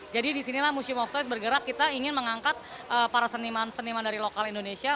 jadi disinilah museum of toys bergerak kita ingin mengangkat para seniman seniman dari lokal indonesia